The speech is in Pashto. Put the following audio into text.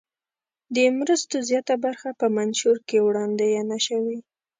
د مرستو زیاته برخه په منشور کې وړاندوینه شوې.